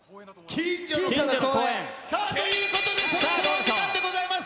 近所の公園。ということで、そろそろお時間でございます。